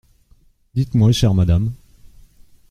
Dites-moi, chère madame …